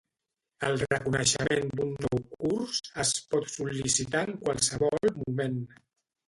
El reconeixement d'un nou curs, es pot sol·licitar en qualsevol moment.